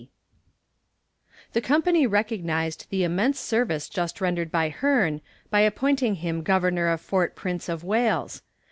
The company recognized the immense service just rendered by Hearn, by appointing him Governor of Fort Prince of Wales.